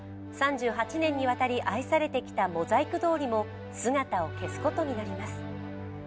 ３８年にわたり愛されてきたモザイク通りも姿を消すことになります。